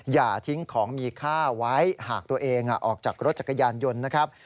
อย่าทิ้งของมีค่าไว้หากตัวเองออกจากรถจักรยานยนต์นะครับ